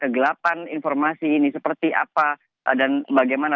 kegelapan informasi ini seperti apa dan bagaimana